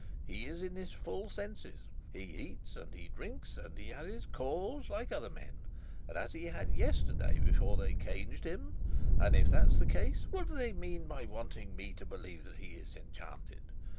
He is in his full senses, he eats and he drinks, and he has his calls like other men and as he had yesterday, before they caged him. And if that's the case, what do they mean by wanting me to believe that he is enchanted?